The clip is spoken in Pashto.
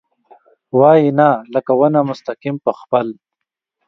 وايي ، نه ، لکه ونه مستقیم په خپل ...